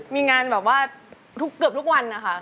มีงานแบบว่าเกือบทุกวันนะคะ